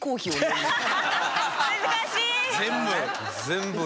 全部。